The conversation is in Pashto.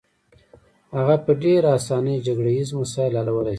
هغه په ډېره اسانۍ جګړه ییز مسایل حلولای شي.